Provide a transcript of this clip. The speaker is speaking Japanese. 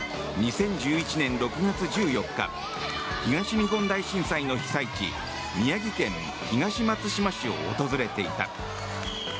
２０１１年６月１４日東日本大震災の被災地宮城県東松島市を訪れていた。